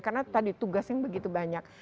karena tadi tugas yang begitu banyak